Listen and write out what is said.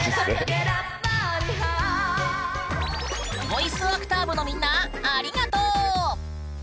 ボイスアクター部のみんなありがとう！